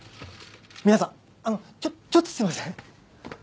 皆さんあのちょっとすみません。